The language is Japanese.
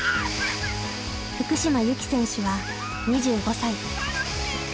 福島由紀選手は２５歳。